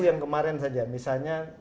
yang kemarin saja misalnya